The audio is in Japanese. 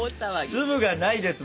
粒がないです